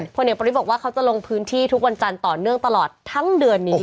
พลเอกประวิทย์บอกว่าเขาจะลงพื้นที่ทุกวันจันทร์ต่อเนื่องตลอดทั้งเดือนนี้